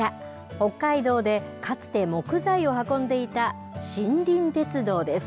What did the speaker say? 北海道でかつて木材を運んでいた森林鉄道です。